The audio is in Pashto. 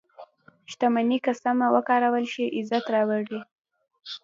• شتمني که سمه وکارول شي، عزت راوړي.